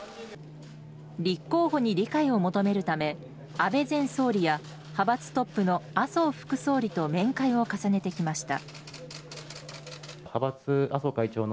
立候補に理解を求めるため安倍前総理や派閥トップの麻生副総理と面会を重ねてきました。